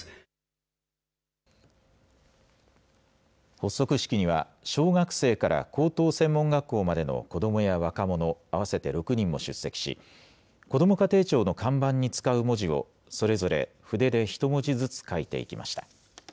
発足式には小学生から高等専門学校までの子どもや若者、合わせて６人も出席し、こども家庭庁の看板に使う文字をそれぞれ筆で１文字ずつ書いていきました。